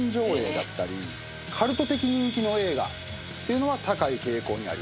カルト的人気の映画というのは高い傾向にあります。